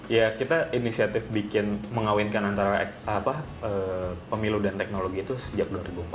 ya kita inisiatif bikin mengawinkan antara pemilu dan teknologi itu sejak dua ribu empat belas